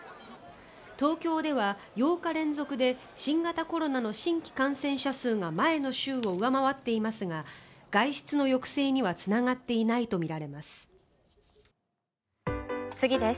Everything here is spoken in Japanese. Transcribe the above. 東京では、８日連続で新型コロナの新規感染者数が前の週を上回っていますが外出の抑制にはつながっていないとみられます。